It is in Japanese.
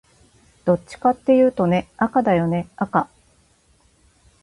どっちかっていうとね、赤だよね赤